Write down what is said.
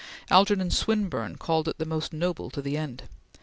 Algernon Swinburne called it the most noble to the end.